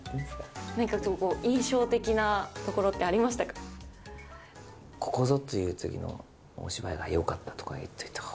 なんか印象的なところってあここぞ！っていうときのお芝居がよかったとか言っておいたほうが。